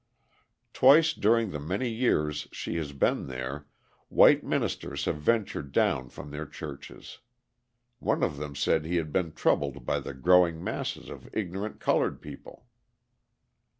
Twice during the many years she has been there white ministers have ventured down from their churches. One of them said he had been troubled by the growing masses of ignorant coloured people.